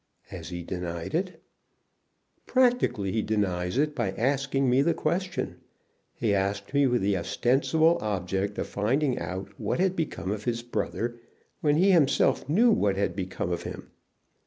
"Has he denied it?" "Practically he denies it by asking me the question. He asked me with the ostensible object of finding out what had become of his brother when he himself knew what had become of him."